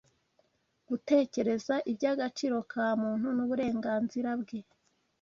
gutekereza iby’agaciro ka muntu n’uburenganzira bwe